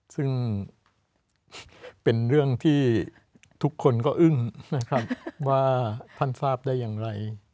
ซึ่งเป็นเรื่องที่ทุกคนก็อึ้งนะครับว่าท่านทราบได้อย่างไร